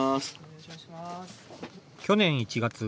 去年１月。